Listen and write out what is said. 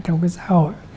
trong cái xã hội